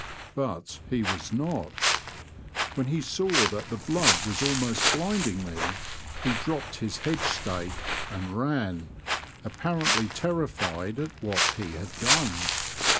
But he was not. When he saw that the blood was almost blinding me he dropped his hedge stake, and ran, apparently terrified at what he had done.